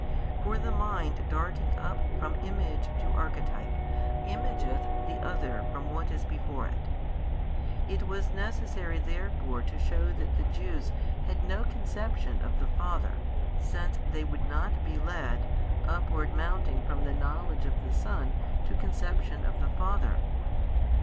For the mind darting up from Image to Archetype imageth the other from what is before it. It was necessary therefore to shew that the Jews had no conception of the Father, since they would not be led, upward mounting from knowledge of the Son to conception of the Father.